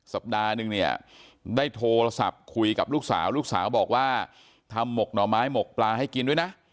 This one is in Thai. สัปดาห์นึงเนี่ยได้โทรศัพท์คุยกับลูกสาวลูกสาวบอกว่าทำหมกหน่อไม้หมกปลาให้กินด้วยนะ